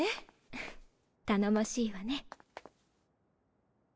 フフっ頼もしいわね。